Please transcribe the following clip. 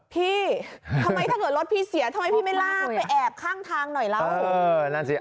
พี่ทำไมถ้าเกิดรถพี่เสียทำไมพี่ไม่ลากไปแอบข้างทางหน่อยเล่า